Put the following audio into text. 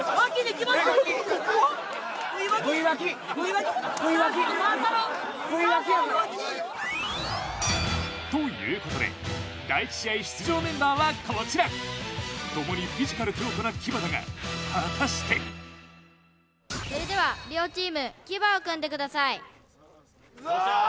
触ったろ触ったろということで第１試合出場メンバーはこちら共にフィジカル強固な騎馬だが果たしてそれでは両チーム騎馬を組んでくださいいくぞーシャーッ！